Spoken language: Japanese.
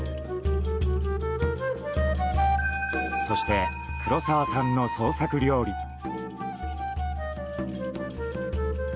そして黒澤さんの創作料理。